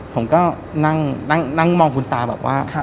ผมก็นั่งมองคุณตาบอกว่า